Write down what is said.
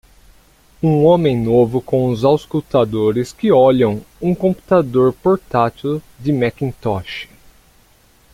Um homem novo com os auscultadores que olham um computador portátil de Macintosh.